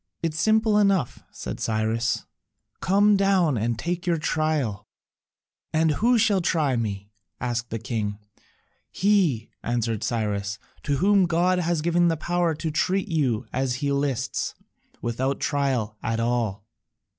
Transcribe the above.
"It is simple enough," said Cyrus, "come down and take your trial." "And who shall try me?" asked the king. "He," answered Cyrus, "to whom God has given the power to treat you as he lists, without a trial at all."